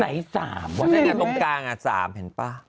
ไหน๓ตรงกลางอ่ะ๓เห็นป้า